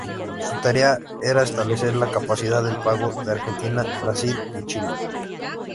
Su tarea era establecer la capacidad de pago de Argentina, Brasil y Chile.